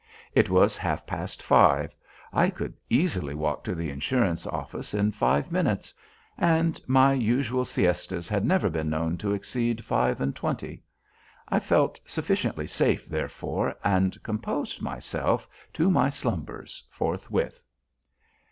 It was half past five; I could easily walk to the insurance office in five minutes; and my usual siestas had never been known to exceed five and twenty. I felt sufficiently safe, therefore, and composed myself to my slumbers forthwith.